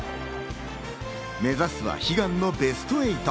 目指すは悲願のベスト８。